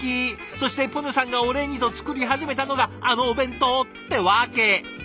そしてポニョさんがお礼にと作り始めたのがあのお弁当ってわけ。